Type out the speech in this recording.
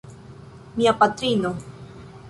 Mia patrino.